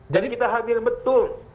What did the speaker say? jadi kita hadir betul